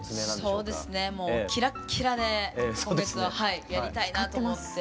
そうですねもうキラッキラで今月はやりたいなと思って。